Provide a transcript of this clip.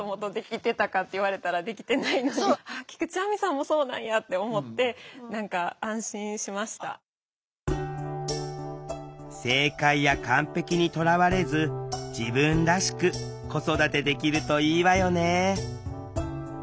菊地亜美さんもそうなんやって思って正解や完璧にとらわれず自分らしく子育てできるといいわよね